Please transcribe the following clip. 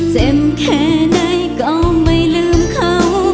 เจ็บแค่ไหนก็ไม่ลืมเขา